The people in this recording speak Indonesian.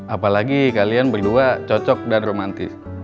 apalagi kalian berdua cocok dan romantis